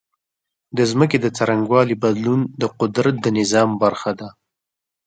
د ځمکې د څرنګوالي بدلون د قدرت د نظام برخه ده.